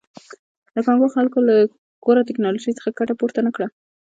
د کانګو خلکو له غوره ټکنالوژۍ څخه ګټه پورته نه کړه.